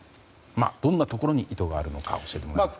どんなところに意図があるのか教えてもらえますか。